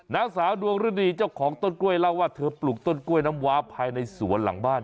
นางสาวดวงฤดีเจ้าของต้นกล้วยเล่าว่าเธอปลูกต้นกล้วยน้ำว้าภายในสวนหลังบ้าน